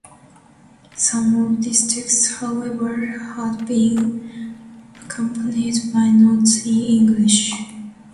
Some of this text, however, had been accompanied by notes in English.